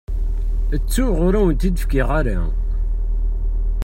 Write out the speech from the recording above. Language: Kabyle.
Ttuɣ, ur awen-tt-in-fkiɣ ara.